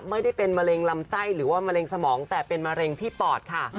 ไม่ได้เป็นมะเร็งลำไส้หรือว่ามะเร็งสมองแต่เป็นมะเร็งที่ปอดค่ะ